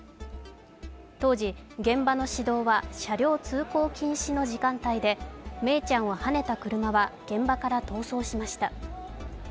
当時、現場の市道は車両通行禁止の時間帯で愛李ちゃんをはねた車は現場から逃走しました。